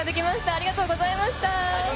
ありがとうございます。